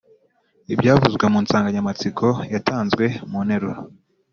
ibyavuzwe mu nsanganyamatsiko yatanzwe mu nteruro.